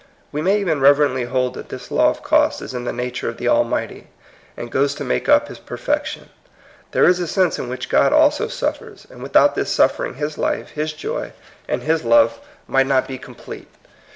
We may even reverently hold that this law of cost is in the nature of the Al mighty, and goes to make up his perfec tion. There is a sense in which God also suffers ; and without this suffering his life, his joy, and his love might not be com« ^j2Si{> 100 THE COMING PEOPLE. plete.